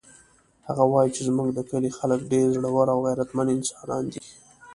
هغه وایي چې زموږ د کلي خلک ډېر زړور او غیرتمن انسانان دي